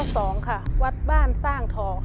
ตัว๒ค่ะวัดบ้านสร้างถอ